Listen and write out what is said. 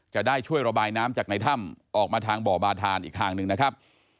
จะได้ช่วยระบายน้ำจากในถ้ำออกมาทางบ่อบาธานอีกทางหนึ่งนะครับ